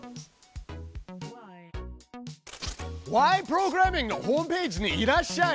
プログラミング」のホームページにいらっしゃい。